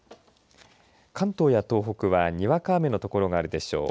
関東や東北はにわか雨の所があるでしょう。